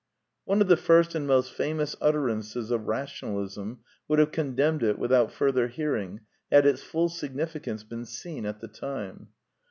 One of the first and most famous utterances of rationalism would have condemned it without further hearing had its full significance been seen at the time.